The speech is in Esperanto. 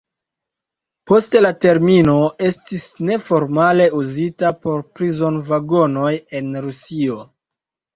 Poste la termino estis neformale uzita por prizon-vagonoj en Rusio.